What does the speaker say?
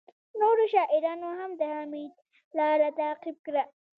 نورو شاعرانو هم د حمید لاره تعقیب کړه